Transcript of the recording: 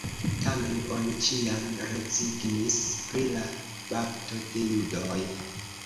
Tamen oni ĉiam rezignis pri la bapto de judoj.